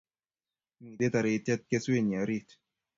Mitei taritiet keswenyii orit